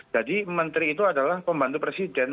jadi menteri itu adalah pembantu presiden